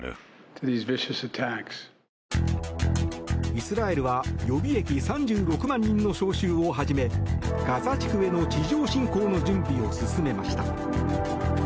イスラエルは予備役３６万人の招集を始めガザ地区への地上侵攻の準備を進めました。